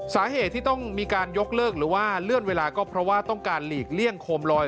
สาเหตุที่ต้องมีการยกเลิกหรือว่าเลื่อนเวลาก็เพราะว่าต้องการหลีกเลี่ยงโคมลอย